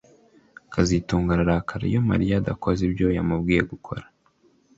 kazitunga ararakara iyo Mariya adakoze ibyo yamubwiye gukora